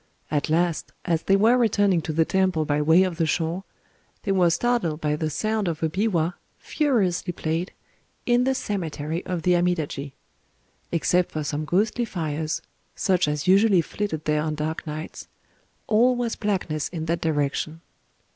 At last, as they were returning to the temple by way of the shore, they were startled by the sound of a biwa, furiously played, in the cemetery of the Amidaji. Except for some ghostly fires—such as usually flitted there on dark nights—all was blackness in that direction.